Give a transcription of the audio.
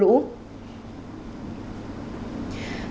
thưa quý vị